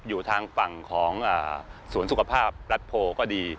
อยู่ทางฝั่งของสวนสุขภาพรัฐโพก็ดี